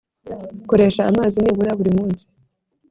koresha amazi nibura buri munsi